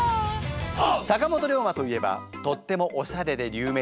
坂本龍馬といえばとってもおしゃれで有名ですよね。